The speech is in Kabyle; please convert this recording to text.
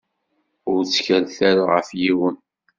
Ur ttkaleɣ ula ɣef yiwen.